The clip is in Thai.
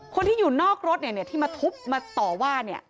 คนที่อยู่นอกรถเนี่ยที่มาทุบมาต่อว่า